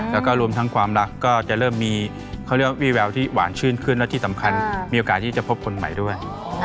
แล้วก็รวมทั้งความรักก็จะเริ่มมีเขาเรียกว่าวิแววที่หวานชื่นขึ้นและที่สำคัญมีโอกาสที่จะพบคนใหม่ด้วย